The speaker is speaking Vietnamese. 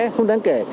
không đáng kể